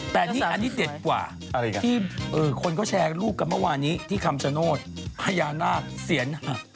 แต่นี่อันนี้เด็ดกว่าที่คนเขาแชร์รูปกันเมื่อวานนี้ที่คำชโนธพญานาคเสียนหัก